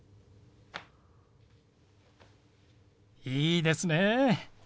いいですね。